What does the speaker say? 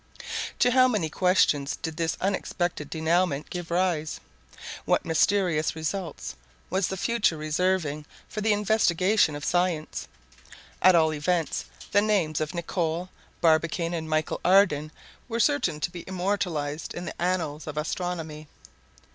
To how many questions did this unexpected denouement give rise? What mysterious results was the future reserving for the investigation of science? At all events, the names of Nicholl, Barbicane, and Michel Ardan were certain to be immortalized in the annals of astronomy!